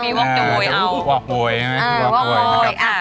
อ๋อเดี๋ยวพี่วอกจะโวยเอา